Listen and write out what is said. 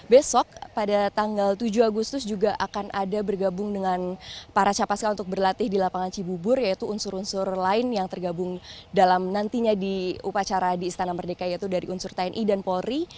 besok pada tanggal tujuh agustus juga akan ada bergabung dengan para capaska untuk berlatih di lapangan cibubur yaitu unsur unsur lain yang tergabung dalam nantinya di upacara di istana merdeka yaitu dari unsur tni dan polri